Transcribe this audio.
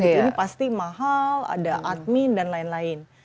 ini pasti mahal ada admin dan lain lain